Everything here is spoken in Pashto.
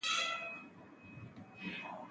د موجوداتو اشرف ګڼل کېږي.